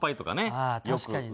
ああ確かにね。